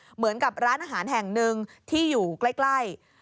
เหมือนกับร้านอาหารแห่งหนึ่งที่อยู่ใกล้